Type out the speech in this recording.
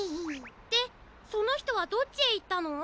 でそのひとはどっちへいったの？